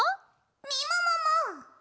みももも！